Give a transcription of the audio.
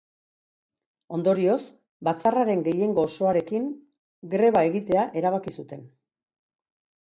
Ondorioz, batzarraren gehiengo osoarekin greba egitea erabaki zuten.